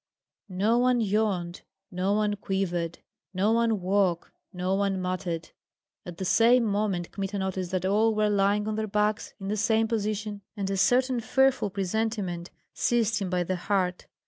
No one yawned, no one quivered, no one woke, no one muttered. At the same moment Kmita noticed that all were lying on their backs in the same position, and a certain fearful presentiment seized him by the heart.